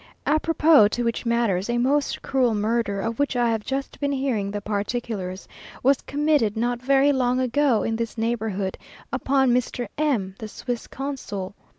A propos to which matters, a most cruel murder, of which I have just been hearing the particulars, was committed not very long ago in this neighbourhood, upon Mr. M , the Swiss consul.